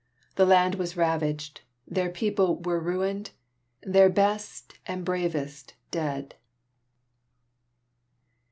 Their land was ravaged, their people were ruined, their best and bravest dead.